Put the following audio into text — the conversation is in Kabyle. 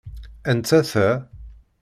Anta ta?